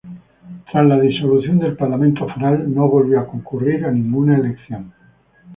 Tras la disolución del Parlamento Foral no volvió a concurrir a ninguna elección.